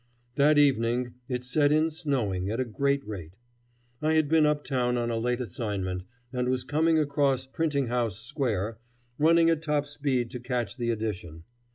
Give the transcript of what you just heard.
That evening it set in snowing at a great rate. I had been uptown on a late assignment, and was coming across Printing House Square, running at top speed to catch the edition.